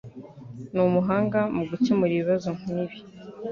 Ni umuhanga mu gukemura ibibazo nkibi